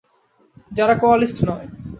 যারা কোয়ালিস্ট নয়।